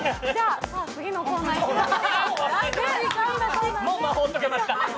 次のコーナーいきますか。